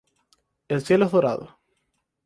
El cielo es dorado.